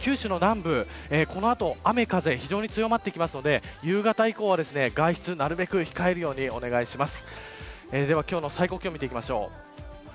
それと、先ほどもお伝えしましたが九州の南部この後、雨、風非常に強まってくるので夕方以降は外出をなるべく控えるようにお願いします。